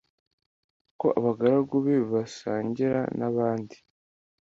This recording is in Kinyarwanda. ko abagaragu be basangira n abandi